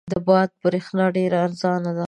د باد برېښنا ډېره ارزانه ده.